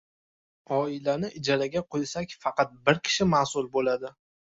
oilani ijaraga qo'ysak faqat bir kishi mas'ul bo'ladi.